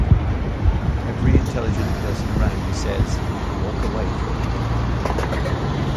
Every intelligent person around me says, 'Walk away from it.